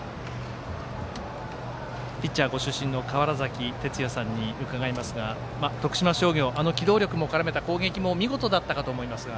ピッチャーご出身の川原崎哲也さんに伺いますが徳島商業、機動力を絡めた攻撃も見事だったと思いますが。